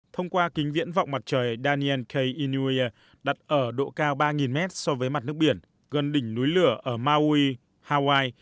thông qua kính viễn vọng mặt trời daniel k iniuier đặt ở độ cao ba mét so với mặt nước biển gần đỉnh núi lửa ở maui hawaii